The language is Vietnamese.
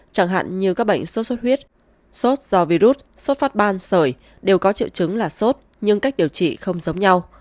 chẳng hạn như các bệnh suốt huyết suốt do virus suốt phát ban sởi đều có triệu chứng là suốt nhưng cách điều trị không giống nhau